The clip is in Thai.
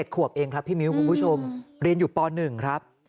ขวบเองครับพี่มิ้วคุณผู้ชมเรียนอยู่ป๑ครับ